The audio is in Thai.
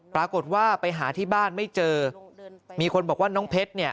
ปรากฏว่าไปหาที่บ้านไม่เจอมีคนบอกว่าน้องเพชรเนี่ย